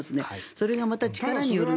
それがまた力による。